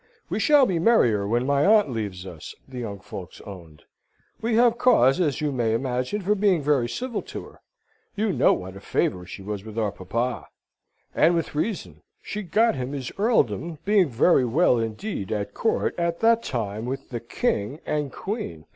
"We shall be merrier when my aunt leaves us," the young folks owned. "We have cause, as you may imagine, for being very civil to her. You know what a favourite she was with our papa? And with reason. She got him his earldom, being very well indeed at Court at that time with the King and Queen.